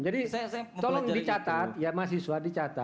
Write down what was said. jadi tolong dicatat ya mahasiswa dicatat